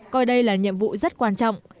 coi đây là nhiệm vụ rất quan trọng